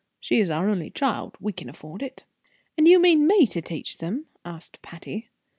She is our only child; we can afford it." "And you mean me to teach them?" asked Patty.